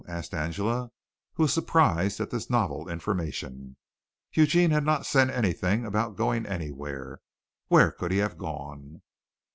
asked Angela, who was surprised at this novel information. Eugene had not said anything about going anywhere. Where could he have gone?